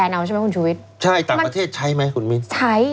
เดินทางเออแล้วก็ใช้ใช่ต่างประเทศใช้ไหมคุณมินใช้